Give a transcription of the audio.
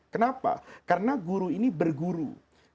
kenapa karena guru ini berguru kepada orang alim